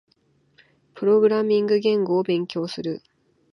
プログラミング言語を勉強する。